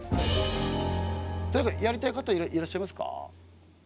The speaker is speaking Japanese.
誰かやりたい方いらっしゃいますか？